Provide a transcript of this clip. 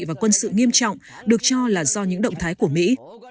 và quân sự nghiêm trọng được cho là do những động thái của mỹ